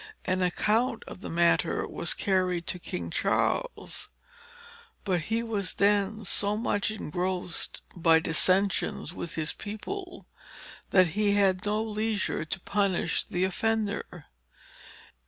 An account of the matter was carried to King Charles; but he was then so much engrossed by dissensions with his people, that he had no leisure to punish the offender.